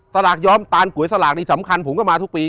สลากย้อมตานก๋วยสลากนี่สำคัญผมก็มาทุกปี